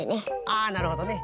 あなるほどね。